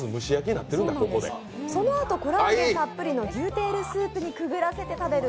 そのあとコラーゲンたっぷりの牛テールスープにくぐらせて食べる